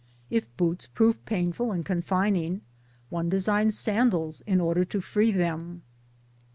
If boots prove painful and confining] one designs sandals in order to, free them.